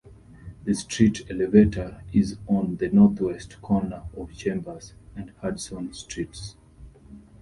The street elevator is on the northwest corner of Chambers and Hudson Streets.